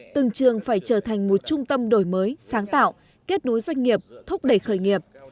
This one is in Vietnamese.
từng trường phải trở thành một trung tâm đổi mới sáng tạo kết nối doanh nghiệp thúc đẩy khởi nghiệp